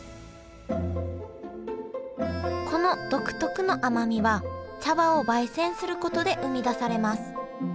この独特の甘みは茶葉をばい煎することで生み出されます